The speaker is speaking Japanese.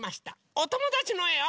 おともだちのえを。